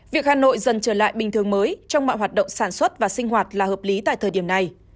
việc hà nội dần trở lại bình thường mới trong mọi hoạt động sản xuất và sinh hoạt là hợp lý tại thời điểm này